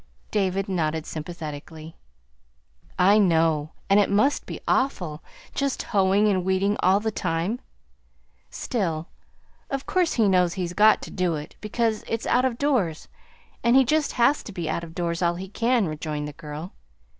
David nodded sympathetically. "I know and it must be awful, just hoeing and weeding all the time." "Still, of course he knows he's got to do it, because it's out of doors, and he just has to be out of doors all he can," rejoined the girl.